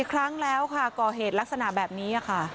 ครั้งแล้วค่ะก่อเหตุลักษณะแบบนี้ค่ะ